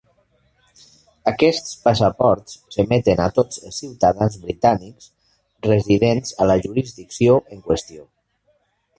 Aquests passaports s'emeten a tots el ciutadans britànics residents a la jurisdicció en qüestió.